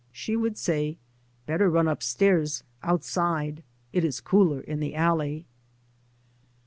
She would say, " Better run upstairs outside. It is cooler in the alley."